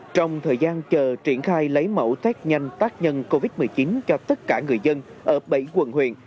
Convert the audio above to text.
trong thời gian chờ triển khai lấy mẫu test nhanh tác nhân covid một mươi chín cho tất cả người dân ở bảy quận huyện